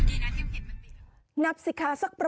สุดยอดดีแล้วล่ะ